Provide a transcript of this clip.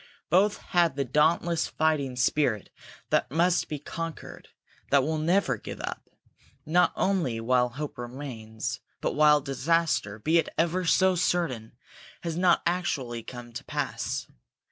Both had the dauntless fighting spirit that must be conquered, that will never give up, not only while hope remains, but while disaster, be it ever so certain, has not actually come to pass.